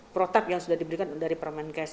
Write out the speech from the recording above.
protak yang sudah diberikan dari peraman gas